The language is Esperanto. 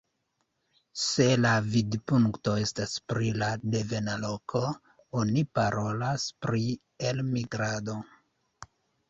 Se la vidpunkto estas pri la devena loko, oni parolas pri elmigrado.